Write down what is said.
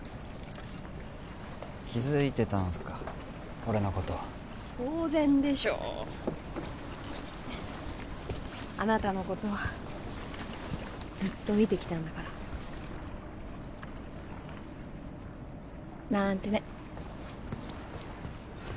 気づいてたんすか俺のこと当然でしょあなたのことはずっと見てきたんだからなんてね